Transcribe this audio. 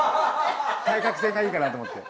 対角線がいいかなと思って。